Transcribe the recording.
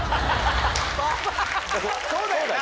そうだよな。